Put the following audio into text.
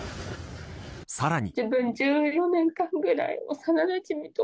さらに。